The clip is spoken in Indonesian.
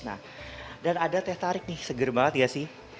nah dan ada teh tarik nih seger banget ya sih